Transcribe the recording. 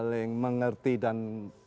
paling mengerti dan